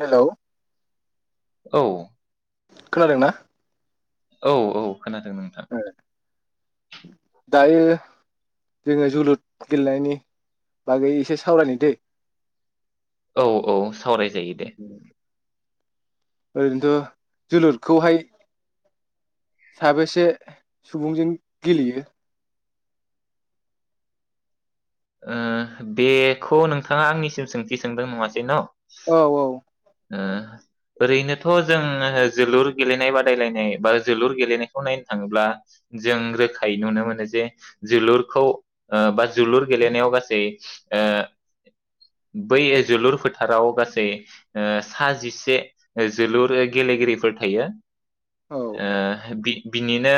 हेल औ [unintelligible] दों ना? औ औ खोनादो नोंथा दायो जोंङो जोलुद गेलेनायनि बागै एसे सावरायनि दे औ औ सावरायजायो दे ओरैनोथ' जोलुदखौहाय साबेसे सुबुंजों गेलेयो? ओ बेखौ नोंथाङा आंनिसिम सोंथि सोंदों नङासै न औ औ ओ ओरैनोथ जोंङो जोलुर गेलेनाय बादायलायनाय बा जोलुर गेलेनायखौ नायनो थाङोब्ला जों रोखायै नुनो मोनो जे जोलुरखौ बा जोलुर गेलेनायाव गासै ओ बै जोलुर फोथाराव गासै ओ सा जिसे जोलुर गेलेगिरिफोर थायो। ओ बि बिनिनो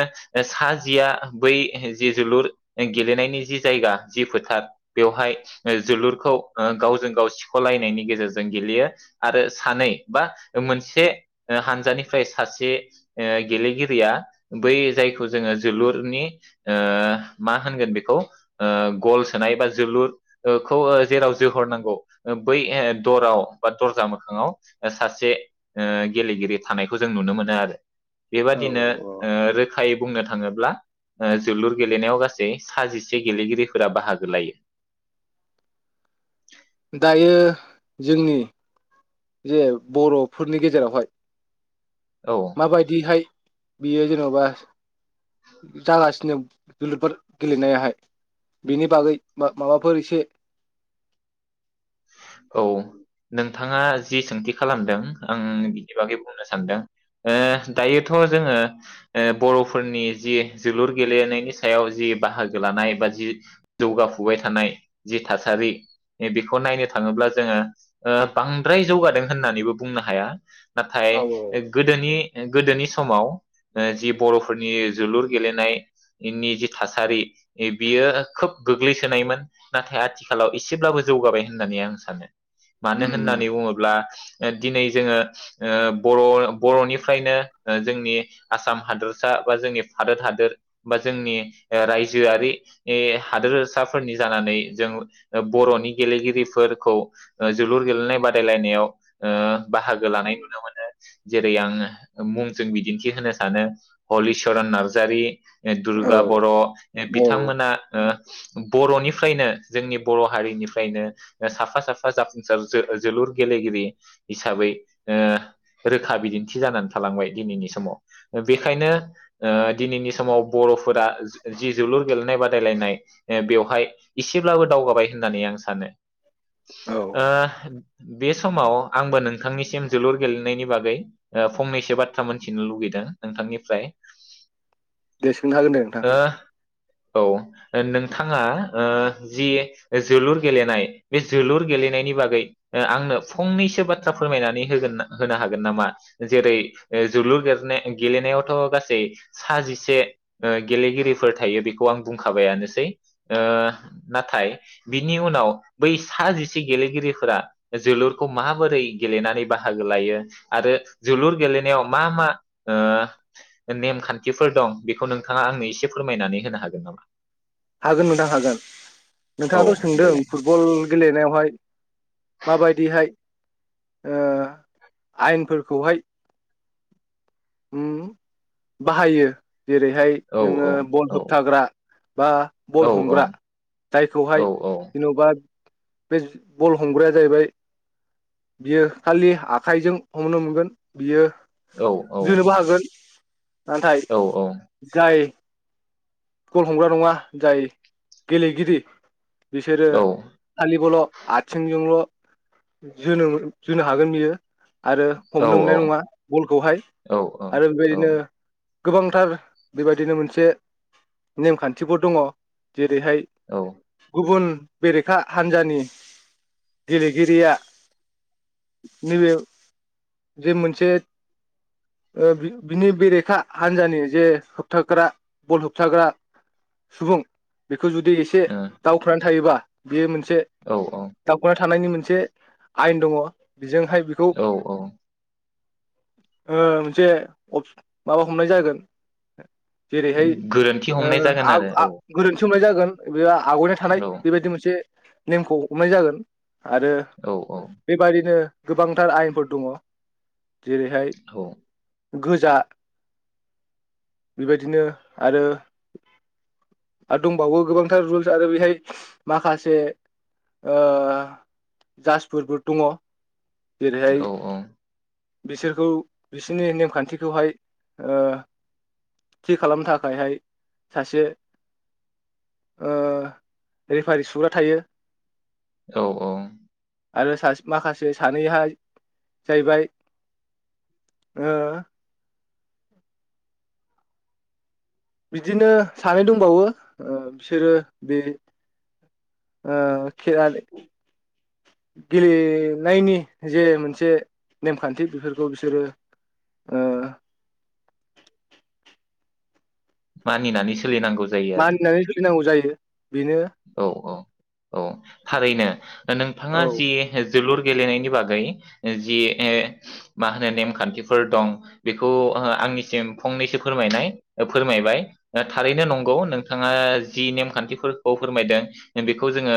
सा जिया बै जि जोलुर गेलेनायनि जि जायगा जि फोथार बेवहाय जोलुरखौ ओ गावजों गाव सिखलायनायनि गेजेरजों गेलेयो आरो सानै बा मोनसे हानजानिफ्राय सासे गेलेगिरिया बै जायखौ जोङो जोलुरनि ओ मा होनगोन बेखौ ओ गल सोनाय बा जोलुर खौ जेराव जोहरनांगौ बै दराव बा दरजा मोखाङाव सासे ओ गेलेगिरि थानायखौ जों नुनो मोनो आरो औ बेबादिनो औ औ ओ रोखायै बुंनो थाङोब्ला जोलुर गेलेनायाव गासै साजिसे गेलेगिरि फोरा बाहागो लायो। दायो जोंनि बियो बर'फोरनि गेजेरावहाय औ माबायदिहाय बियो जेनेबा जागासिनो जोलुरफोर गेलेनायाहाय बेनि बागै मा-माबाफोर एसे। औ नोंथाङा जि सोंथि खालामदों आं बिनि बागै बुंनो सानदों। ओ दायोथ जोङो बर'फोरनि जि जोलुर गेलेनायनि सायाव जि बाहागो लानाय बा जि जौगाफुबाय थानाय जि थासारि बेखौ नायनो थाङोब्ला जोङो ओ बांद्राय जौगादों होननानैबो बुंनो हाया। नाथाय औ औ गोदोनि गोदोनि समाव जि बर'फोरनि जोलुर गेलेनायनायनि जि थासारि बियो खोब गोग्लैसोनायमोन, नाथाय आथिखालाव एसेब्लाबो जौगाबाय होननानै आं सानो मानो उम होननानै बुङोब्ला दिनै जोङो ओ बर' बर'निफ्रायनो जोंनि आसाम हादोरसा बा जोंनि भारत हादोर बा जोंनि रायजोआरि हादोरसाफोरनि जानानै जों बर'नि गेलेगिरि फोरखौ जोलुर गेलेनाय बादायलायनायाव ओ बाहागो लानाय नुनो मोनो जेरै आं मुंजों बिदिन्थि होनो सानो हलिचरन नार्जारि दुर्गा बर' उम औ बिथांमोना ओ। बर'निफ्रायनो जोंनि बर' हारिनिफ्रायनो। साफा साफा जाफुंसार जो-जोलुर गेलेगिरि हिसाबै ओ रोखा बिदिन्थि जानानै थालांबाय दिनैनि समाव। बेखायनो ओ दिनैनि समाव बर'फोरा जि जोलुर गेलेनाय बादायलायनाय बेवहाय एसेब्लाबो दावगाबाय होननानै आं सानो। औ ओ बे समाव आंबो नोंथांनिसिम जोलुर गेलेनायनि बागै फंनैसो बाथ्रा मोनथिनो लुगैदों नोंथांनिफ्राय दे सोंनो हागोन दे नोंथां। ओ औ नोंथाङा ओ जि जोलुर गेलेनाय बे जोलुर गेलेनायनि बागै आंनो फंनैसो बाथ्रा फोरमायनानै होगोन होनो हागोन नामा जेरै जोलुर बेरनाय गेलेनायावथ गासै स जिसे गेलेगिरिफोर थायो बेखौ आं बुंखाबायानोसै ओ नाथाय बिनि उनाव। बै सा जिसे गेलेगिरिफोरा जोलुरखौ माबोरै गेलेनानै बाहागो लायो आरो जोलुर गेलेनायाव मा मा ओ नेमखान्थिफोर दं बेखौ नोंथाङा आंनो एसे फोरमायनानै होनो हागोन नामा? हागोन नोंथां हागोन, औ नोंथाङाथ' सोंदों देलाय फुटबल बल गेलेनायावहाय माबायदिहाय ओ आयेनफोरखौहाय उम बाहायो जेरैहाय औ औ नोङो औ बल होबथाग्रा बा औ बल हमग्रा औ जायखौहाय जेनबा बे बल हमग्राया जाहैबाय बियो खालि आखाइजों हमनो मोनगोन बियो औ जोनोबो हागोन नाथाय औ जाय गल हमग्रा नङा जाय गेलेगिरि बिसोरो औ खालिबोल' आथिंजोंल' जोनोम जोनो हागोन बियो। आरो औ हमनो मोननाय नङा। बलखौहाय आरो औ ओ बेबायदिनो गोबांथार बेबायदिनो मोनसे नेमखान्थिफोर दङ। जेरैहाय गुबुन बेरेखा हान्जानि गेलेगिरिया नैबे जे मोनसे ओ बिनि बेरेखा हान्जानि जे होबथाग्रा बल होबथाग्रा सुबुं बेखौ जुदि एसे दावखोनानै थायोबा बे मोन से औ थानायनि मोनसे आयेन दङ। बेजोंहाय बेखौ औ औ ओ मोनसे अपस‌ माबा हमनाय जागोन। जेरैहाय गोरोन्थि ओ हमनाय जागोन आग आरो आ गोरोन्थि हमनाय जागोन बेया आवगायना थानाय औ बेबायदि मोनसे नेमखौ हमनाय जागोन। आरो औ औ बेबादिनो गोबांथार आयेनफोर दङ जेरैहाय गोजा बेबायदिनो आरो आर दंबावो गोबांथार रुल्स आरो बेहाय माखासे ओ जासफोरबो दङ। औ जेरैहाय बिसोरखौ बिसोरनि नेमखान्थिखौहाय ओ थि खालामनो थाखायहाय सासे ओ रेफारि सुग्रा थायो। औ औ। आरो‌ सासे माखासे सानैया जाहैबाय हो बिदिनो सानै दंबावो ओ बिसोरो बे ओ खेयाले गेलेनायनि जे मोनसे नेमखान्थि बेफोरखौ बिसोरो मानिनानैसो मानिनानै सोलिनांगौ जायो। बेनो औ औ। औ थारैनो औ नोंथाङा जि जोलुर गेलेनायनि बागै ओ जि- ए- मा होनो नेमखान्थिफोर दं बेखौ ओ आंनिसिम फंनैसो फोरमायनाय ओ फोरमायबाय थारैनो नंगौ नोंथाङा जि नेमखान्थिफोर खौ फोरमायदों बेखौ जोङो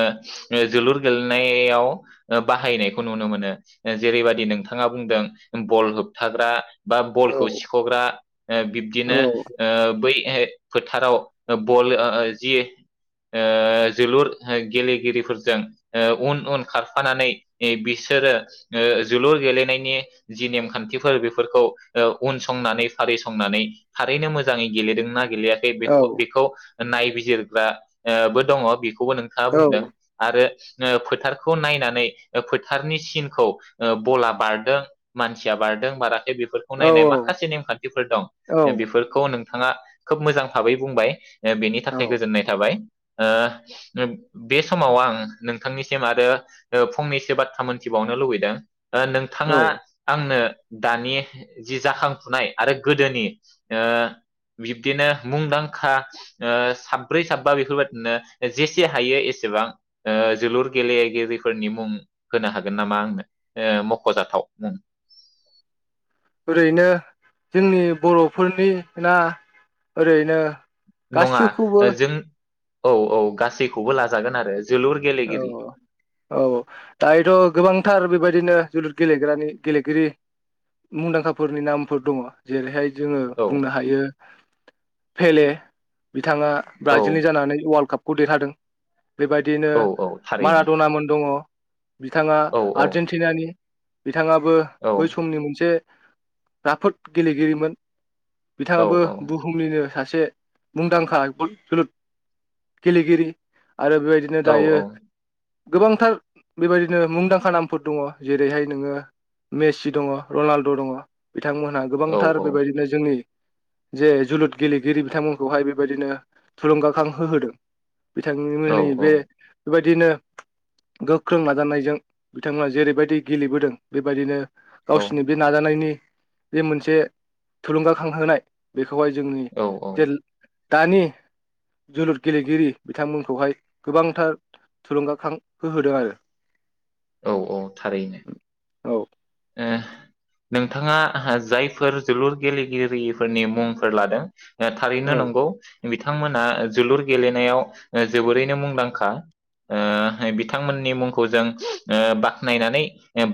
ओ जोलुर गेलेनायाव ओ बाहायनायखौ नुनो मोनो ओ जेरैबादि नोंथाङा बुंदों बल होबथाग्रा बा औ बलखौ सिख'ग्रा ओ औ बिब्दिनो ओ बै [unintelligible] फोथाराव बल ओ ओ जे ओ जोलुर गेलेगिरिफोरजों उन उन खारफानानै बिसोरो ओ जोलुर गेलेनायनि जि नेमखान्थिफोर बेफोरखौ उन संनानै फारि संनानै थारैनो मोजाङै गेलेदोंना गेलेयाखै औ बेख' बिखौ। नायबिजिरग्रा ओ बो दङ बि खौबो नोंथाङा औ बुंदों आरो ओ फोथारखौ नायनानै ओ फोथारनि सिनखौ ओ बला बारदों मानसिया बारदों बारा बिफोरखौ औ नायनाय माखासे नेमखान्थिफोर दं औ बिफोरखौ नों थाङा खोब मोजां भाबै बुंबाय। ओ बेनि थाखाय गोजोननाय थाबाय। ओ बे समाव आं नोंथांनिसिम आरो फंनैसो बाथ्रा मोनथिबावनो लुबैदों ओ नोंथाङा औ आंनो दानि जि जाखांफुनाय आरो गोदोनि ओ बिब्दिनो मुंदांखा ओ साब्रै साबा बेफोरबा नो जेसे हायो एसेबां ओ जोलुर गेलेगिरिफोरनि मुं होनो हागोन नामा आंनो ओ मख'जाथाव मुं। रैनो जोंनि बर'फोरनि ना ओरैनो नङा गासिखौबो जों औ औ गासैखौबो लाजागोन आरो जोलुर गेलेगिरि औ औ दायोथ' गोबां थार बेबायदिनो जोलुर गेलेग्रानि गेलेगिरि मुंदांखाफोरनि नामफोर दङ' जेरैहाय जोङो औ बुंनो हायो फेेले बिथाङा औ ब्राजिलनि जानानै अवार्ल्ड काप खौ देरहादों। बेबायदिनो औ औ थारैनो माराद'नामोन दङ'। बिथाङा औ औ आर्जेेनटिनानि। बिथाङाबो औ बै समनि मोनसे राफोद गेलेगिरिमोन। औ बिथाङाबो बुहुमनिनो सा से मुंदांखा [unintelligible] जोलुर गेलेगिरि। आरो बेबायदिनो औ दायो गोबांथार बेबायदिनो मुंदांखा नामफोर दङ जेरैहाय नोङो मेसि दङ रनाल्द' दङ। बिथांमोनहा औ गोबांथार बेबायदिनो जोंनि जे जोलुद गेलेगिरि बिथांमोनखौहाय बेबायदिनो थुलुंगाखांहो होदों औ बिथांनिमोनै बे बेबायदिनो गोख्रों नाजानायजों बिथांमोना जेरैबायदि गेलेबोदों बेबायदिनो गावसोरनि बे नाजानायनि बे मोनसे थुलुंगाखांहोनाय बेख खौहाय जोंनि औ जेल दानि जोलुर गेलेगिरि बिथांमोनखौहाय गोबांथार थुलुंगाखां होहोदों आरो औ औ थारैनो। औ ओ नोंथाङा हा जायफोर जोलुर गेलेगिरिफोरनि मुंफोर लादों औ थारैनो नंगौ बिथांमोना जोलुर गेलेनायाव जोबोरैनो मुंदांखा ओ बिथांमोननि मुंखौ जों ओ बाख्नायनानै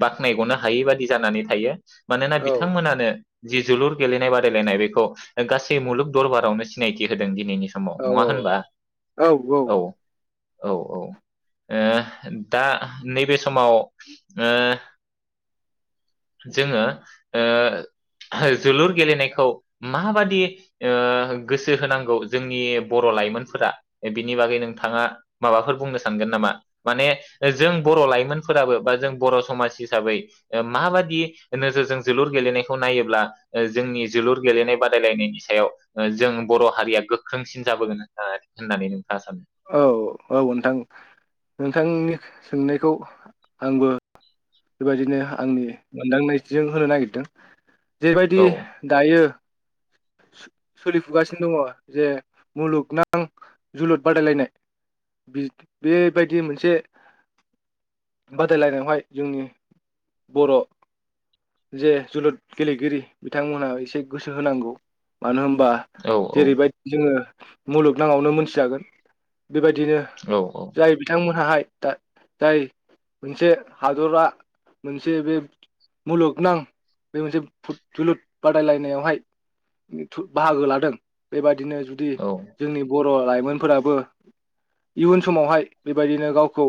बाख्नायगनो हायि बादि जानानै थायो। मानोना औ बिथांमोनानो जि जोलुर गेलेनाय बादायलायनाय बेखौ गासै मुलुग दरबारावनो सिनायथि होदों दिनैनि समाव औ नङा होनबा औ औ औ औ औ ओ दा नैबे समाव ओ जोङो ओ जोलुर गेलेनायखौ माबादि ओ गोसो होनांगौ जोंनि बर लाइमोनफोरा बिनि बागै नोंथाङा माबाफोर बुंनो सानगोन नामा माने जों बर' लाइमोनफोराबो बा जों बर' समाजसि हिसाबै ओ माबादि नोजोरजों जोलुर गेलेनायखौ नायोब्ला ओ जोंनि जोलुर गेलेनाय बादायलायनायनि सायाव ओ जों बर' हारिया गोख्रोंसिन जाबोगोन होना होननानै नोंथाङा सानो? औ औ नोंथां नोंथांनि सोंनायखौ आंबो बेबायदिनो आंनि मोनदांनायजों होनो नागिरदों जेरैबायदि औ दायो। सोलिफुगासिनो दङ जे मुलुगनां जोलुर बादायलायनाय बि बेबायदि मोनसे बादायलायनायावहाय जोंनि बर' जे जोलुद गेलेगिरि बिथांमोनहा एसे गोसो होनांगौ। मानो होम बा औ जेरैबायदि जोङो मुलुगनााङावनो मोनथिजागोन बेबायदिनो औ जाय बिथांमोन थाखाय जाय मोनसे हादरा मोनसे बे मुलुगनां बे मोनसे जोलुर बादायलायनायावहाय बाहागो लादों बेबायदिनो जुदि औ जोंनि बत ब्र लाइमोनफोराबो इयुन समावहाय बेबायदिनो गावखौ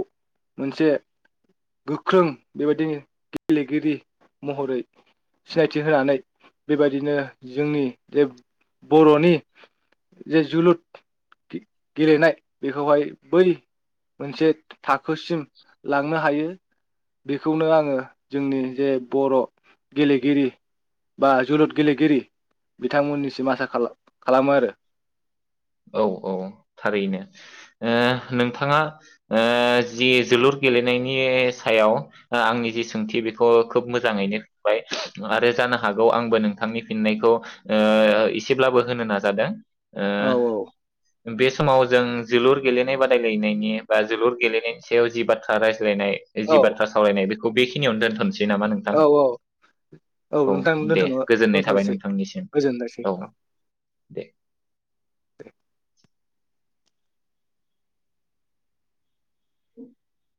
मोनसे गोख्रों बेबायदिनो गेलेगिरि महरै सिनायथि होनानै बेबायदिनो जोंनि जे बर'नि जे जोलुर गेलेनाय बेखौहाय बै मोनसे थाखो थाखोसिम लांनो हायो। बेखौनो आङो जोंनि जे बर' गेलेगिरि बा जोलुर गेलेगिरि बिथांमोननिसिम आसा खा-खालामो आरो। औ औ थारैनो ओ नोंथाङा ओ जि जोलुर गेलेनायनि सायाव आंनि जि सोंथि बेखौ खोब मोजाङैनो होबाय आरो जानो हागौ आंबो नोंथांनि फिननायखौ ओ एसेब्लाबो होनो नाजादों ओ औ औ बे समाव जों जोलुर गेलेनाय बादायलायनायनि बा जोलुर गेलेनायनि सायाव जि बाथ्रा राय ज्लायनाय औ जि बाथ्रा सावरायनाय बे खौ बेखिनियावनो दोनथसै औ औ औ नोंथां दे दोनथनोबा गोजोननाय थाबाय दोन्थनोसै नोंथांनिसिम गोजोनायसै औ दे [inaudible]